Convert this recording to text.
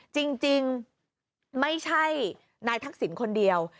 จริงไม่ใช่นายทักษิณคนเดียว